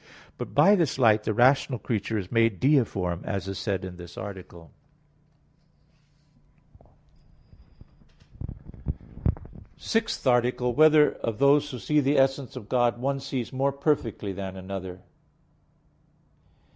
But by this light the rational creature is made deiform, as is said in this article. _______________________ SIXTH ARTICLE [I. Q. 12, Art. 6] Whether of Those Who See the Essence of God, One Sees More Perfectly Than Another?